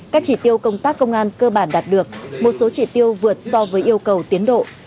các chỉ tiêu công tác công an cơ bản đạt được một số chỉ tiêu vượt so với yêu cầu tiến độ